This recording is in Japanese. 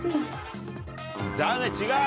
残念違う。